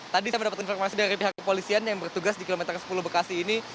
tadi saya mendapatkan informasi dari pihak kepolisian yang bertugas di kilometer sepuluh bekasi ini